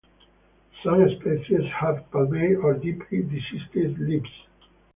Some species have palmate or deeply dissected leaves.